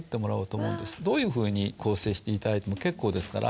どういうふうに構成して頂いても結構ですから。